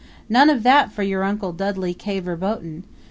None of that for your Uncle Dudley K. Verboten!